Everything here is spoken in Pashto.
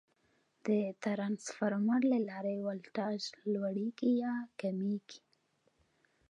د ترانسفارمر له لارې ولټاژ لوړېږي یا کمېږي.